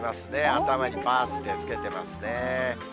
頭にバースデーつけてますね。